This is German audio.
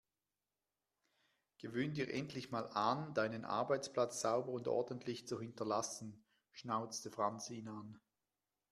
Gewöhne dir endlich mal an, deinen Arbeitsplatz sauber und ordentlich zu hinterlassen, schnauzte Franz ihn an.